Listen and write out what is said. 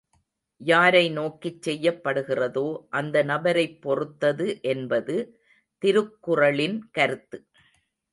யாரை நோக்கிச் செய்யப்படுகிறதோ அந்த நபரைப் பொறுத்தது என்பது திருக்குறளின் கருத்து.